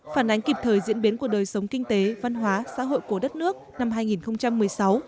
phản ánh kịp thời diễn biến của đời sống kinh tế văn hóa xã hội của đất nước năm hai nghìn một mươi sáu